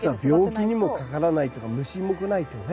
病気にもかからないとか虫も来ないとかね